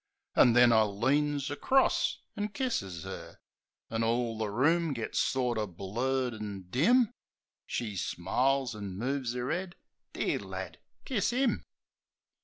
An' then, I leans acrost an' kisses 'er; An' all the room gits sorter blurred an' dim ... She smiles, an' moves 'er 'ead. "Dear lad ! Kiss 'im."